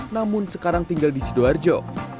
namun sekarang tinggal di sidoarjo